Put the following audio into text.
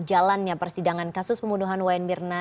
jalannya persidangan kasus pembunuhan wayan mirna